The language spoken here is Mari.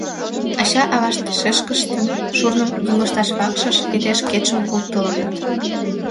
Ача-авашт шешкыштын шурным йоҥышташ вакшыш эре шкетшым колтылыныт.